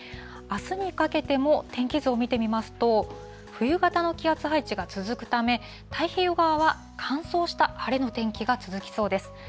あすにかけても、天気図を見てみますと、冬型の気圧配置が続くため、太平洋側は乾燥した晴れの天気が続きそうです。